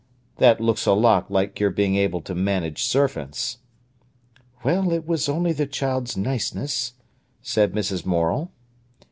"That looks a lot like your being able to manage servants!" "Well, it was only the child's niceness," said Mrs. Morel.